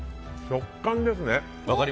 食感ですね。